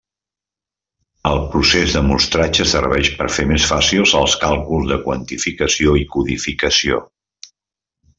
El procés de mostratge serveix per fer més fàcils els càlculs de quantificació i codificació.